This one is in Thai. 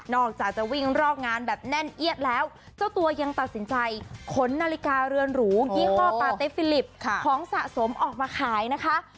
อกจากจะวิ่งรอกงานแบบแน่นเอียดแล้วเจ้าตัวยังตัดสินใจขนนาฬิกาเรือนหรูยี่ห้อปาเตฟิลิปของสะสมออกมาขายนะคะ